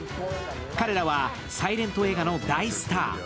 彼らはサイレント映画の大スター。